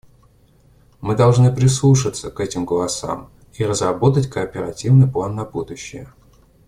Мы должны прислушаться к этим голосам и разработать кооперативный план на будущее.